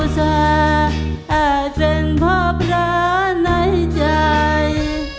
ขาอายเป็นพระพระในใจ